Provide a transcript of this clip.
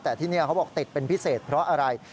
แต่ที่นี่เขาบอกติดเป็นพิเศษเพราะอะไร